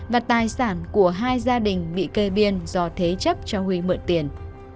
và tài sản của hai gia đình bị cây biên do thế chấp cho huy mượn tiền